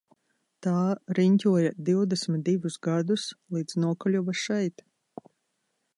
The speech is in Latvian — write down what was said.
Tā riņķoja divdesmit divus gadus līdz nokļuva šeit.